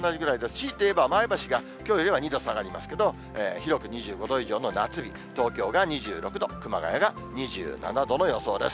しいて言えば前橋がきょうより２度下がりますけど、広く２５度以上の夏日、東京が２６度、熊谷が２７度の予想です。